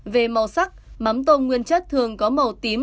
về màu sắc mắm tôm nguyên chất thường có màu tím